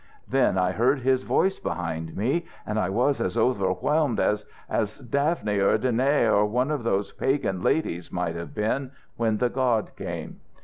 Then I heard his voice behind me, and I was as overwhelmed as as Daphne or Danaë or one of those pagan ladies might have been when the god came.